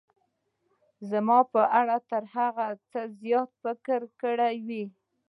زما په اړه تر هغه څه زیات فکر کړی وي.